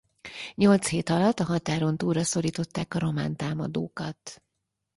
Nyolc hét alatt a határon túlra szorították a román támadókat.